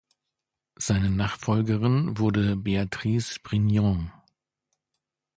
Seine Nachfolgerin wurde Beatrice Brignone.